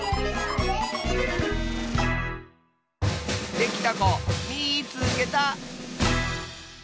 できたこみいつけた！